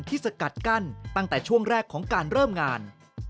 สกัดกั้นตั้งแต่ช่วงแรกของการเริ่มงาน